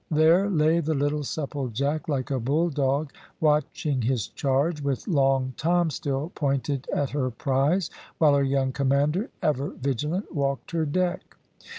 There lay the little Supplejack, like a bull dog watching his charge, with Long Tom still pointed at her prize, while her young commander, ever vigilant, walked her deck.